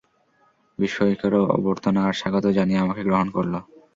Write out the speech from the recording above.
বিস্ময়কর অভ্যর্থনা আর স্বাগত জানিয়ে আমাকে গ্রহণ করল।